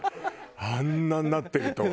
あんなになってるとは。